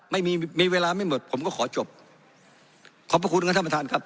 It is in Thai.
ไม่มีมีเวลาไม่หมดผมก็ขอจบขอบพระคุณครับท่านประธานครับ